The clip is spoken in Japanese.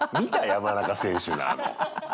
山中選手のあの。